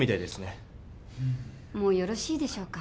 もうよろしいでしょうか？